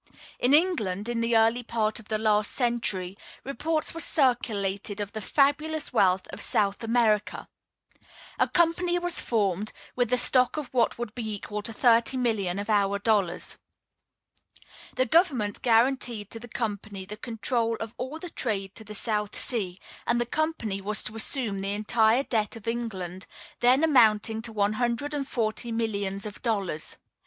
In England, in the early part of the last century, reports were circulated of the fabulous wealth of South America. A company was formed, with a stock of what would be equal to thirty millions of our dollars. The government guaranteed to the company the control of all the trade to the South Sea, and the company was to assume the entire debt of England, then amounting to one hundred and forty millions of dollars.